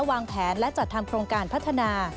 วางแผนและจัดทำโครงการพัฒนา